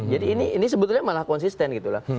jadi ini sebetulnya malah konsisten gitu lah